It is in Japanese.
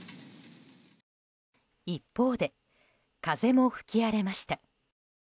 一方で風も吹き荒れました。